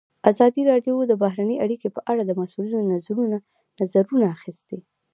ازادي راډیو د بهرنۍ اړیکې په اړه د مسؤلینو نظرونه اخیستي.